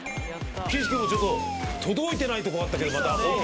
岸君もちょっと届いてないとこあったけどまた。